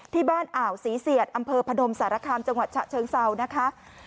อ่าวศรีเสียดอำเภอพนมสารคามจังหวัดฉะเชิงเซานะคะ